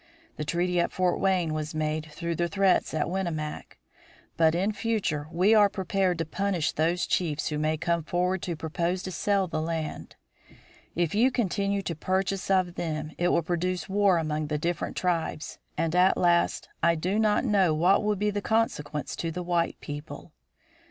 The treaty at Fort Wayne was made through the threats of Winnemac; but in future we are prepared to punish those chiefs who may come forward to propose to sell the land. If you continue to purchase of them it will produce war among the different tribes, and, at last, I do not know what will be the consequence to the white people.